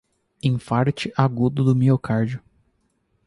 Enfarte Agudo do Miocárdio.